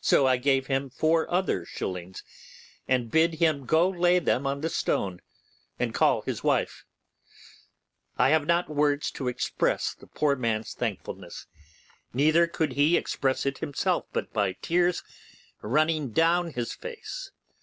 So I gave him four other shillings, and bid him go lay them on the stone and call his wife. I have not words to express the poor man's thankfulness, neither could he express it himself but by tears running down his face.